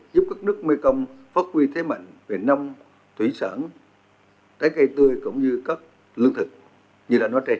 giúp các nước mekong phát huy thế mạnh về nông thủy sản trái cây tươi cũng như các lương thực như là nói trên